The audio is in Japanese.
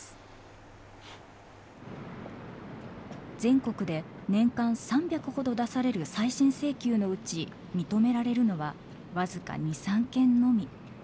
全国で年間３００ほど出される再審請求のうち認められるのは僅か２３件のみ。